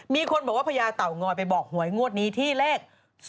มีคนบอกว่าพญาเต่างอยไปบอกหวยงวดนี้ที่เลข๒